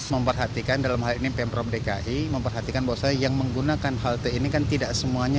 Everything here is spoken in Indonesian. memperhatikan dalam hal ini pemprov dki memperhatikan bahwa saya yang menggunakan halte ini kan tidak semuanya